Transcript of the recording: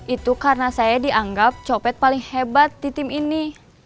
itu karena saya dianggap copet paling hebat di tim ini